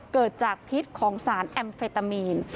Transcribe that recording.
เกิดจากพิษของสารแอมเฟตามีน